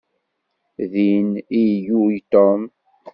Din i ilul Tom.